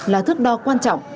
là thước đo quan trọng